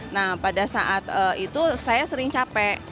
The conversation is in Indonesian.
nah pada saat itu saya sering capek